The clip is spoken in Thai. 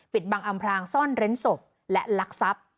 ปิดบังอำพลางซ่อนเล้นศพและลักษัพ